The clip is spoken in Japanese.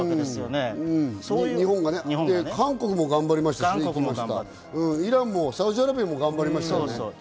韓国も頑張りましたし、イランもサウジアラビアも頑張りました。